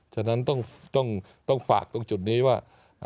ฉะนั้นต้องฝากตรงจุดนี้ว่า